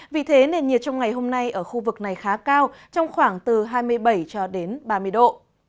vì thế nền nhiệt trong ngày hôm nay ở khu vực này khá cao trong khoảng từ hai mươi bảy cho đến ba mươi độ